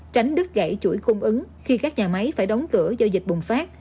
tránh đứt gãy chuỗi cung ứng khi các nhà máy phải đóng cửa do dịch bùng phát